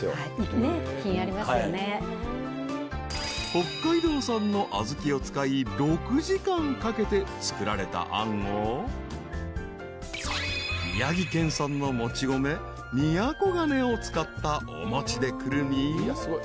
［北海道産の小豆を使い６時間かけて作られたあんを宮城県産のもち米みやこがねを使ったお餅でくるみ］